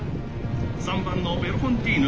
３番のベルフォンティーヌ